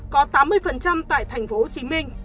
có tám mươi tại tp hcm